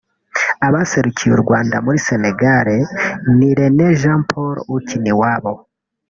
Abaserukiye u Rwanda muri Sénégal ni René Jean Paul Ukiniwabo